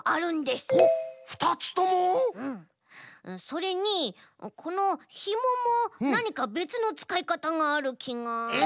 それにこのひももなにかべつのつかいかたがあるきが。え？